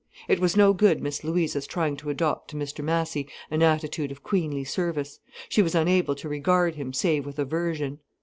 It was no good Miss Louisa's trying to adopt to Mr Massy an attitude of queenly service. She was unable to regard him save with aversion.